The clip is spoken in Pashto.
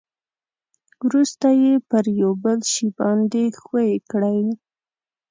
ورسته یې پر یو بل شي باندې ښوي کړئ.